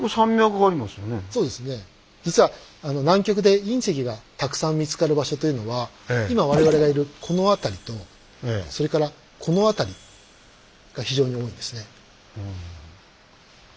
実は南極で隕石がたくさん見つかる場所というのは今我々がいるこの辺りとそれからこの辺りが非常に多いんですね。